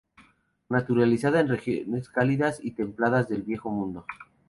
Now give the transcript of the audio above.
Naturalizada en regiones cálidas y templadas del Viejo Mundo.